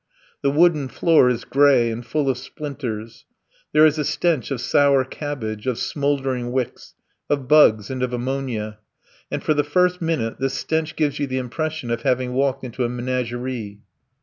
The wooden floor is grey and full of splinters. There is a stench of sour cabbage, of smouldering wicks, of bugs, and of ammonia, and for the first minute this stench gives you the impression of having walked into a menagerie.